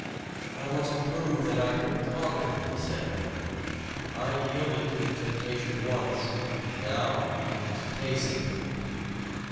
"I must prove that I can conquer," he said "I yielded to the temptation once, and now I must face it."